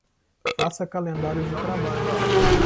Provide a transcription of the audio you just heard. Faça calendários de trabalho.